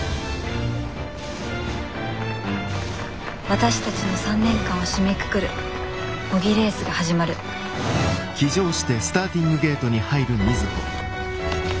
私たちの３年間を締めくくる模擬レースが始まる私は絶対に勝つ！